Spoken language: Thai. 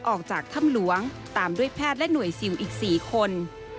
ออกจากถ้ำหลวงตามด้วยแพทย์และหน่วยซิลอีก๔คน